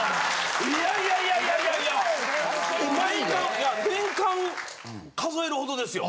いや年間数えるほどですよ。